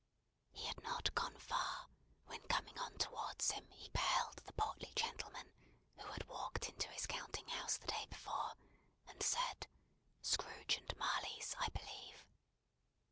He had not gone far, when coming on towards him he beheld the portly gentleman, who had walked into his counting house the day before, and said, "Scrooge and Marley's, I believe?"